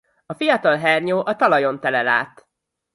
A fiatal hernyó a talajon telel át.